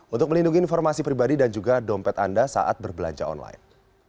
untuk melindungi informasi pribadi dan juga dompet anda saat berbelanja online